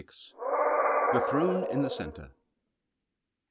THE THRONE IN THE CENTRE.